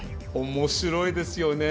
面白いですよね。